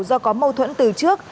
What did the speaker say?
do có mâu thuẫn từ trước